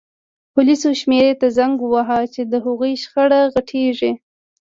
پولیسو شمېرې ته زنګ ووهه چې د هغوی شخړه غټیږي